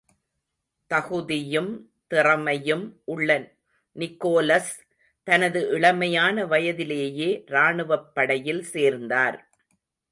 தகுதியும், திறமையும் உள்ள நிகோலஸ், தனது இளமையான வயதிலேயே ராணுவப் படையில் சேர்ந்தார்.